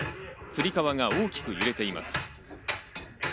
つり革が大きく揺れています。